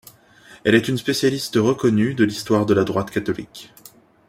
Elle est une spécialiste reconnue de l'histoire de la droite catholique.